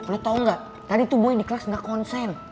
lo tau gak tadi tuh boy di kelas gak konsen